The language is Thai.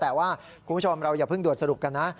แต่ว่าคุณผู้ชมเราอย่าเพิ่งด่วนสรุปกันนะ